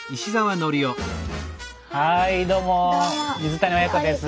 はいどうも水谷親子です。